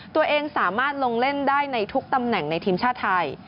ตัวเองสามารถลงเล่นได้ในทุกตำแหน่งในทีมชาติไทย